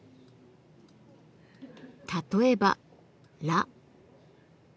例えば「ら」。